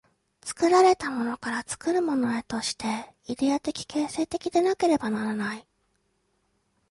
作られたものから作るものへとして、イデヤ的形成的でなければならない。